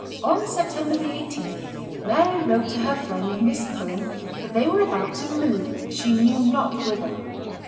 On September 18 Mary wrote to her friend, Miss Curran, that they were about to move, she knew not whither.